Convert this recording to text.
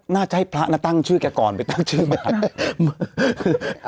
น่าจะให้พระนะตั้งชื่อแกก่อนไปตั้งชื่อมา